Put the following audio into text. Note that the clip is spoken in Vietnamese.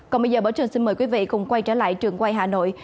còn bây giờ bảo trường xin mời quý vị cùng quay trở lại trường quay hà nội